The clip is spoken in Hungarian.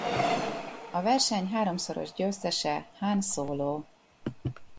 A verseny háromszoros győztese Han Solo.